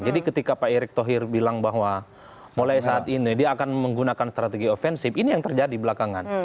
jadi ketika pak erik thohir bilang bahwa mulai saat ini dia akan menggunakan strategi offensive ini yang terjadi belakangan